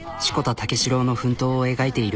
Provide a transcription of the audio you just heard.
武四郎の奮闘を描いている。